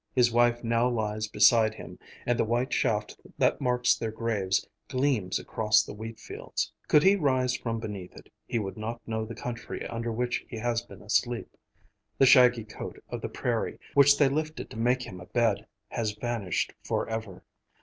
His wife now lies beside him, and the white shaft that marks their graves gleams across the wheat fields. Could he rise from beneath it, he would not know the country under which he has been asleep. The shaggy coat of the prairie, which they lifted to make him a bed, has vanished forever.